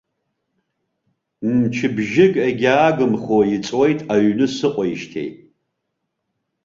Мчыбжьык егьаагымхо иҵуеит аҩны сыҟоижьҭеи.